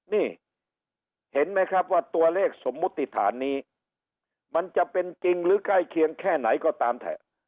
นี่เห็นไหมครับว่าตัวเลขสมมุติฐานนี้มันจะเป็นจริงหรือใกล้เคียงแค่ไหนก็ตามเถอะ